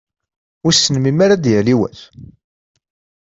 Wissen melmi ara d-yali wass?